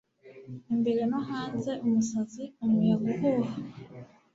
imbere no hanze umusazi; umuyaga uhuha